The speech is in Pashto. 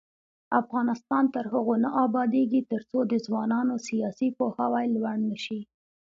افغانستان تر هغو نه ابادیږي، ترڅو د ځوانانو سیاسي پوهاوی لوړ نشي.